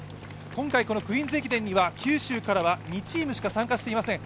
今回、このクイーンズ駅伝には九州から２チームしか参加していません。